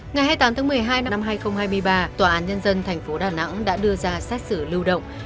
ngày hai mươi tám tháng một mươi hai năm hai nghìn hai mươi ba tòa án nhân dân tp đà nẵng đã đưa ra xét xử lưu động